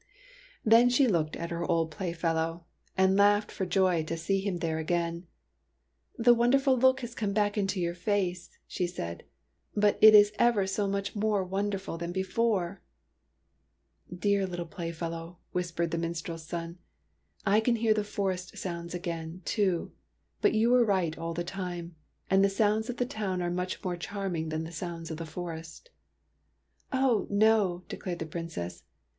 Then she looked at her old playfellow and 126 TEARS OF PRINCESS PRUNELLA laughed for joy to see him there again. '' The wonderful look has come back into your face/' she said, '' but it is ever so much more wonder ful than before !"'' Dear little playfellow," whispered the min strels son, '' I can hear the forest sounds again, too ; but you were right all the time, and the sounds of the town are much more charming than the sounds of the forest." " Oh, no," declared the Princess.